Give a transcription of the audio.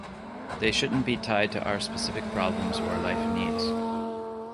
They shouldn't be tied to our specific problems or life needs.